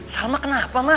salam ma kenapa ma